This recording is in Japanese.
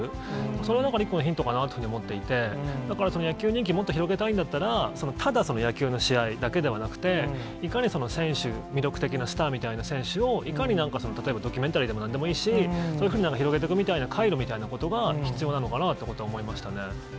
その中で、一個のヒントかなぁというふうに思っていて、野球人気もっと広げたいんだったら、ただ、野球の試合だけではなくて、いかに選手、魅力的なスターみたいな選手をいかに、例えばドキュメンタリーでもなんでもいいし、そういうふうに広げてくみたいな、回路みたいなことが必要なのかなと僕は思いましたね。